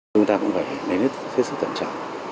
chúng ta cũng phải đến hết sức tầm trọng